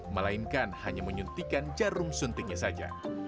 melainkan hanya menyuntikkan jarum suntiknya saja